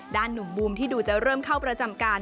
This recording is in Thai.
หนุ่มบูมที่ดูจะเริ่มเข้าประจำการ